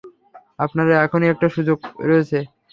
আপনার এখনই একটা সুযোগ রয়েছে।